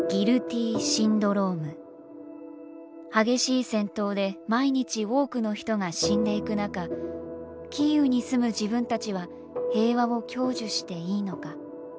激しい戦闘で毎日多くの人が死んでいく中キーウに住む自分たちは平和を享受していいのか。